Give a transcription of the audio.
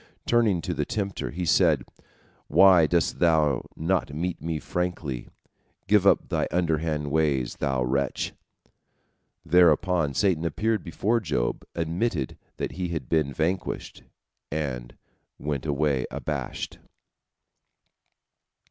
Turning to the tempter, he said: "Why dost thou not meet me frankly? Give up thy underhand ways, thou wretch." Thereupon Satan appeared before Job, admitted that he had been vanquished, and went away abashed.